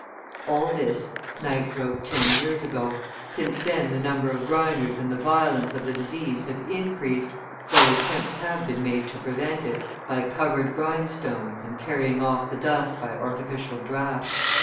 All this Knight wrote ten years ago; since then the number of grinders and the violence of the disease have increased, though attempts have been made to prevent it by covered grindstones and carrying off the dust by artificial draught.